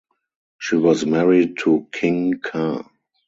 She was married to King Ka.